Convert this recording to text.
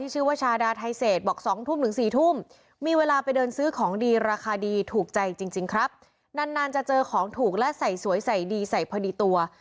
คุณชาดาก็เป็นคนตัวสูงอะเนาะ